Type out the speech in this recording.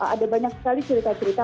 ada banyak sekali cerita cerita